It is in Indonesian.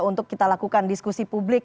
untuk kita lakukan diskusi publik